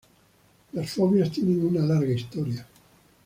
Las fobias tienen una larga historia.